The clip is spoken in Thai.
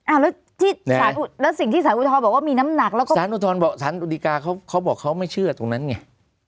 แล้วที่สารแล้วสิ่งที่สารอุทธรณ์บอกว่ามีน้ำหนักแล้วก็สารอุทธรณ์บอกสารอุดิกาเขาบอกเขาไม่เชื่อตรงนั้นไง